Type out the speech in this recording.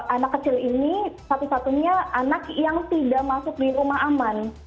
anak kecil ini satu satunya anak yang tidak masuk di rumah aman